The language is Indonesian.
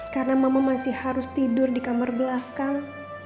karena mama masih harus tidur di kamar belakang